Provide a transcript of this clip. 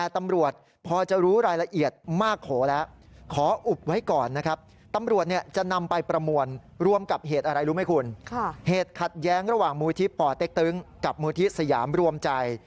ที่ป่อเต็กตึงกับมูลทิศสยามรวมใจ